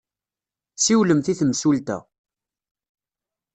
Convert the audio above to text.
Siwlemt i temsulta.